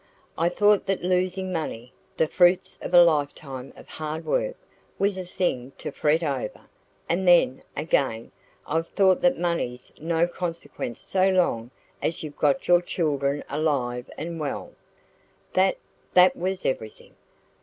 I thought that losing money the fruits of a lifetime of hard work was a thing to fret over; and then, again, I've thought that money's no consequence so long as you've got your children alive and well that THAT was everything.